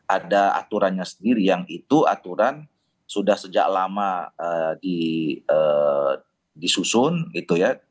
ada aturannya sendiri yang itu aturan sudah sejak lama disusun gitu ya